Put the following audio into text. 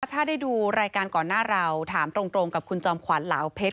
ถ้าได้ดูรายการก่อนหน้าเราถามตรงกับคุณจอมขวัญเหลาเพชร